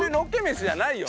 飯じゃないよね？